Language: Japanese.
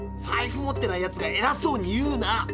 財布持ってないやつがえらそうに言うな。